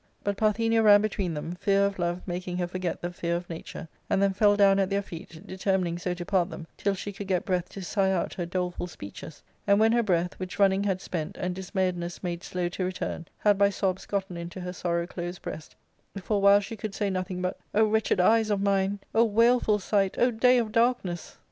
But Parthenia ran between them, fear of love making her forget the fear of nature, and then fell down at their feet, determining so to part thqm till she could get breath to sigh out her doleful speeches ; and when her breath, which run ning had spent and dismayedness made slow to return, had by sobs gotten into her sorrow closed breast, for a while she could say nothing but " O wretched eyes of mine, O wail ful sight, O day of darkness